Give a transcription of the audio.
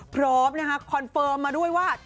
พร้อมนะคะคอนเฟิร์มมาด้วยว่า